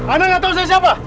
anda nggak tahu saya siapa